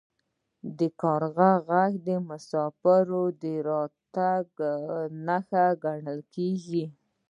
د کارغه غږ د مسافر د راتلو نښه ګڼل کیږي.